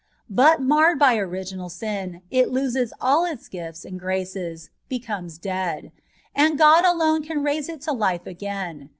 But, marred by originai sin, it loses ali its gifls and graces, becomes dead; and God alone can raìse it to life again.